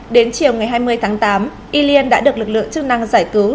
đến chiều ngày hai mươi tháng tám y liên đã được lực lượng chức năng giải cứu